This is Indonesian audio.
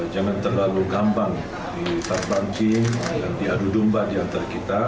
jangan terlalu gambang di tarbancing diadu domba diantara kita